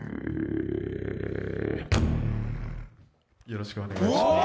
よろしくお願いします。